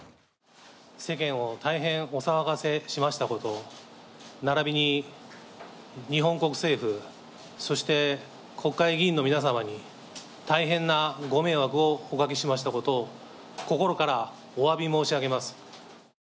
世間を大変お騒がせしましたこと、ならびに日本国政府、そして国会議員の皆様に大変なご迷惑をおかけしましたことを心からおわび申し上げます。